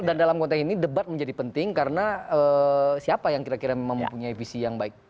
dan dalam konteks ini debat menjadi penting karena siapa yang kira kira memang mempunyai visi yang baik